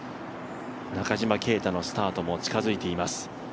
中島啓太のスタートも近づいています。